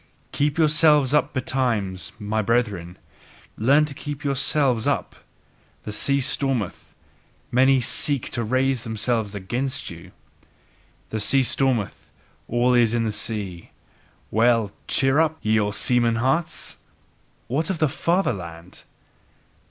Keep yourselves up betimes, my brethren, learn to keep yourselves up! The sea stormeth: many seek to raise themselves again by you. The sea stormeth: all is in the sea. Well! Cheer up! Ye old seaman hearts! What of fatherland!